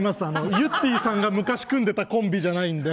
ゆってぃさんが昔組んでたコンビじゃないんで。